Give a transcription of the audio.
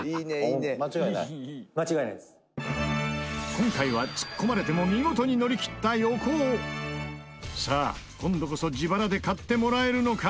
今回は、突っ込まれても見事に乗り切った横尾さあ、今度こそ自腹で買ってもらえるのか？